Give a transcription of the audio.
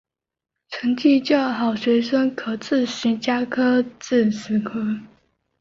成绩较好学生可自行加科至十科。